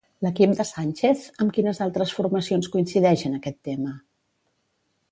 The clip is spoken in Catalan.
L'equip de Sánchez, amb quines altres formacions coincideix en aquest tema?